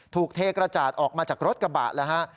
เทกระจาดออกมาจากรถกระบะแล้วฮะ